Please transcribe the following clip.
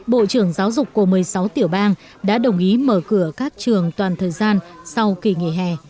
bộ trưởng giáo dục của một mươi sáu tiểu bang đã đồng ý mở cửa các trường toàn thời gian sau kỳ nghỉ hè